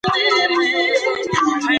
د پښتو ژبې شاعري زموږ د روح اواز دی.